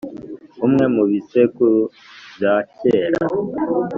Umwe mu bisekuru bya kera